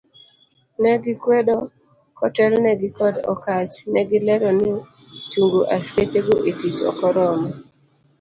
Ne gikwedo kotelnegi kod Okatch, negilero ni chungo askechego etich ok oromo.